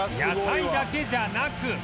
野菜だけじゃなく